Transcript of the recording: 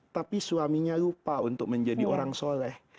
tapi suaminya lupa untuk menjadi orang soleh